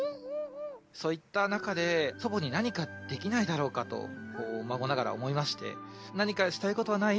そういった中で祖母に何かできないだろうかと孫ながら思いまして「何かしたい事はない？